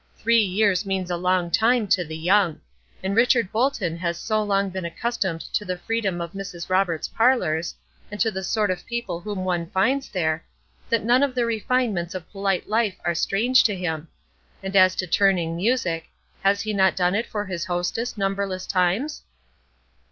Three years means a long time to the young; and Richard Bolton has so long been accustomed to the freedom of Mrs. Roberts' parlors, and to the sort of people whom one finds there, that none of the refinements of polite life are strange to him; and as to turning music, has he not done it for his hostess numberless times?